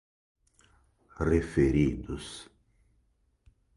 referidos